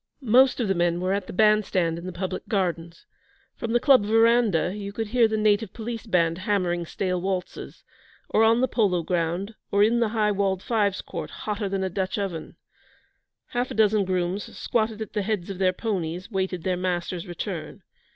Most of the men were at the bandstand in the public gardens from the Club verandah you could hear the native Police band hammering stale waltzes or on the polo ground or in the high walled fives court, hotter than a Dutch oven. Half a dozen grooms, squatted at the heads of their ponies, waited their masters' return.